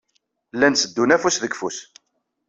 Llan tteddun afus deg ufus.